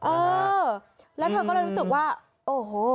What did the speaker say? เออแล้วเธอก็เลยรู้สึกว่าโอ้โห